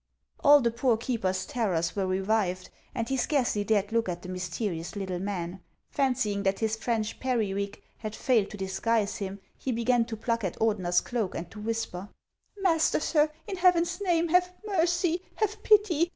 All the poor keeper's terrors were revived, and lie scarcely dared look at the mysterious little man. Fancy ing that his French periwig had failed to disguise him, he began to pluck at Ordener's cloak and to whisper :" Master, sir, in Heaven's name, have mercy ! have pity